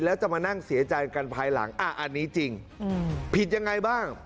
แล้วจะมานั่งเสียใจกันภายหลังอันนี้จริงผิดยังไงบ้าง